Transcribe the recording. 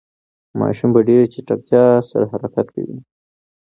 ماشوم په ډېرې چټکتیا سره حرکت کوي.